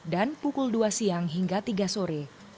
dan pukul dua siang hingga tiga sore